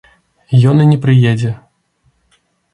Ён і не прыедзе.